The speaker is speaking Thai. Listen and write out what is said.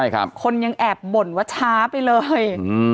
คนยังแอบบ่นว่าช้าไปเลย